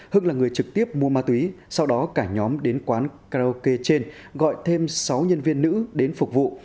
hưng là người trực tiếp mua ma túy sau đó cả nhóm đến quán karaoke trên gọi thêm sáu nhân viên nữ đến phục vụ